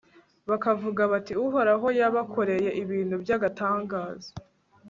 bakavuga bati uhoraho yabakoreye ibintu by'agatangaza